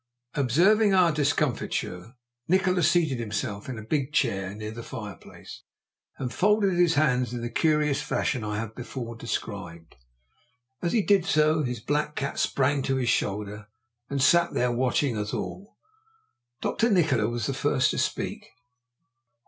Observing our discomfiture, Nikola seated himself in a big chair near the fireplace and folded his hands in the curious fashion I have before described; as he did so his black cat sprang to his shoulder and sat there watching us all. Dr. Nikola was the first to speak.